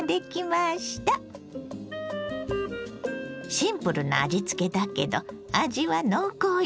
シンプルな味つけだけど味は濃厚よ。